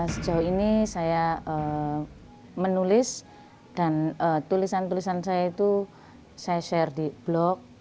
sejauh ini saya menulis dan tulisan tulisan saya itu saya share di blog